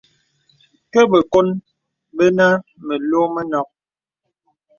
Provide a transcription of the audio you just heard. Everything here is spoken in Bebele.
Kə bəkòn bənə məlɔ̄ mənɔ̄k.